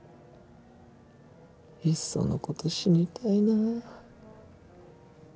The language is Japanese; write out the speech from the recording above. いっそのこと死にたいなあ